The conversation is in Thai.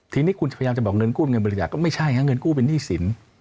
ทีนี้คุณจะพยายามจะบอกเงินกู้เงินบริจาคก็ไม่ใช่ฮะเงินกู้เป็นหนี้สิน